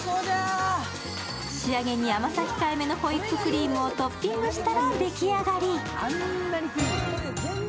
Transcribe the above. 仕上げに甘さ控えめのホイップクリームをトッピングしたら出来上がり。